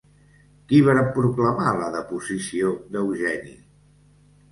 Qui va proclamar la deposició d'Eugeni?